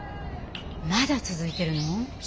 まだ続いてるの？